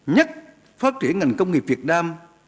nhất phát triển ngành công nghiệp việt nam